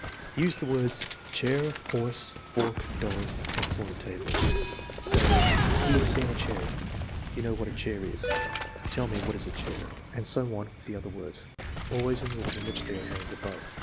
Use the words: Chair 9 horse, fork, doll, pencil, and table. Say: " You have seen a chair. You know what a chair is. Tell me, what is a chair ?" And so on with the other words, always in the order in which they are named above.